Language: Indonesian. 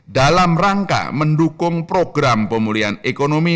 dalam rangka mendukung program pemulihan ekonomi